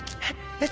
えっ？